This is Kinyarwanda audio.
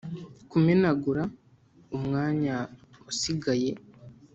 kumenagura umwanya wasigaye